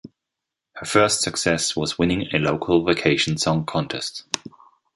Her first success was winning a local vacation song contest.